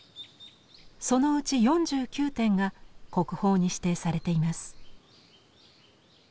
そのうち４９点が国宝に指定されています。